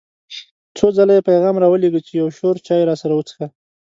څو ځله یې پیغام را ولېږه چې یو شور چای راسره وڅښه.